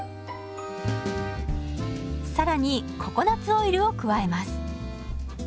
更にココナツオイルを加えます。